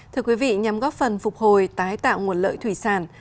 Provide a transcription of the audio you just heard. thưa quý vị nhằm góp phần phục hồi tái tạo nguồn lợi thủy sản